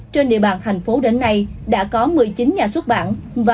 trên địa bàn thành phố đến nay đã có một mươi chín nhà xuất bản